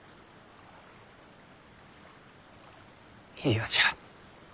嫌じゃ。